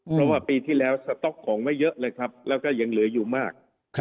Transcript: เพราะว่าปีที่แล้วสต๊อกของไว้เยอะเลยครับแล้วก็ยังเหลืออยู่มาก